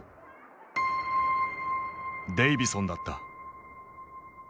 デイヴィソンだった。